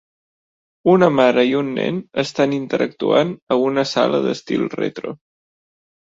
Una mare i un nen estan interactuant a una sala d"estil retro.